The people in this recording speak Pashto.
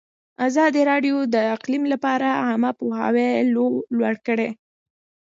ازادي راډیو د اقلیم لپاره عامه پوهاوي لوړ کړی.